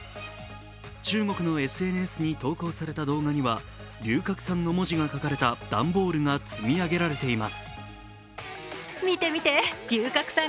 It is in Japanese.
中国のＳＮＳに投稿された動画には龍角散の文字が書かれた段ボールが積み上げられています。